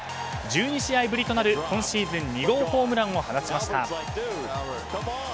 １２試合ぶりとなる今シーズン２号ホームランを放ちました。